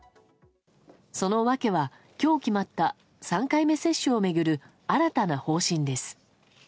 その訳は、今日決まった３回目接種を巡る新たな方針です。